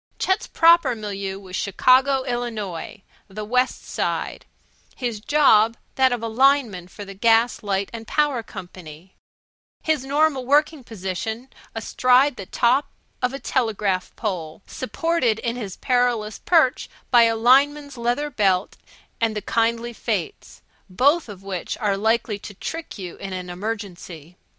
Chet's proper milieu was Chicago, Illinois (the West Side); his job that of lineman for the Gas, Light and Power Company; his normal working position astride the top of a telegraph pole supported in his perilous perch by a lineman's leather belt and the kindly fates, both of which are likely to trick you in an emergency.